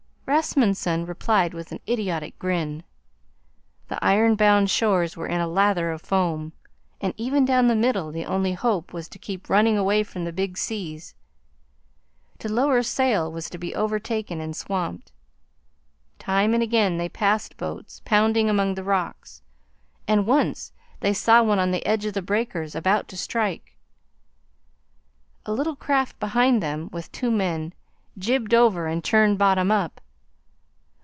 Rasmunsen replied with an idiotic grin. The iron bound shores were in a lather of foam, and even down the middle the only hope was to keep running away from the big seas. To lower sail was to be overtaken and swamped. Time and again they passed boats pounding among the rocks, and once they saw one on the edge of the breakers about to strike. A little craft behind them, with two men, jibed over and turned bottom up.